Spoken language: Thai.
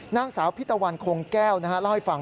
นางสาวพิตะวันคงแก้วเล่าให้ฟัง